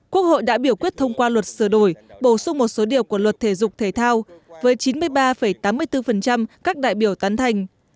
quốc hội đã biểu quyết thông qua luật sửa đổi bổ sung một số điều của luật thể dục thể thao với chín mươi ba tám mươi bốn các đại biểu tán thành